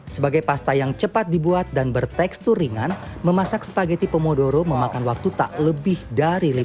sebagai pasta yang cepat dibuat dan bertekstur ringan memasak spaghty pomodoro memakan waktu tak lebih dari lima menit